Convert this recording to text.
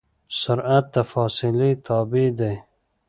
سرعت د فاصلې تابع دی.